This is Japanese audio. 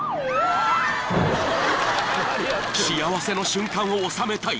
［幸せの瞬間を収めたい］